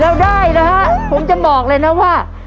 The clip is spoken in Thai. แล้วด้ายนะครับผมจะบอกเลยนะว่า